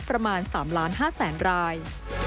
ประมาณ๓๕๐๐๐ราย